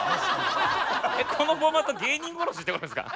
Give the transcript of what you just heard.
このフォーマット芸人殺しってことですか？